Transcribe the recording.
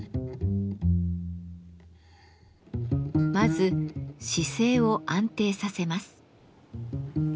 まず姿勢を安定させます。